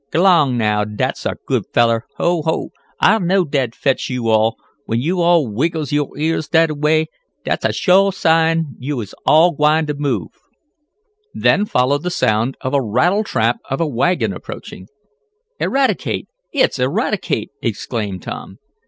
G'lang, now, dat's a good feller. Ho! Ho! I knowed dat'd fetch yo' all. When yo' all wiggles yo' ears dat a way, dat's a suah sign yo' all is gwine t' move." Then followed the sound of a rattletrap of a wagon approaching. "Eradicate! It's Eradicate!" exclaimed Tom.